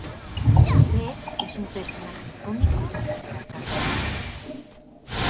Seth es un personaje cómico y sarcástico.